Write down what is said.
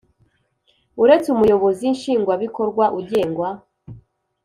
Uretse Umuyobozi Nshingwabikorwa ugengwa